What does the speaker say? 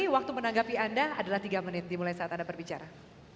waktu menanggapi anda adalah tiga menit dimulai saat anda berbicara